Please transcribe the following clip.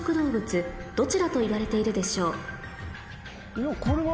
いやこれは。